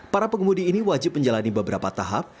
para pengemudi ini wajib menjalani beberapa tahap